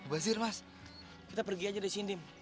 pak zir mas kita pergi aja di sindim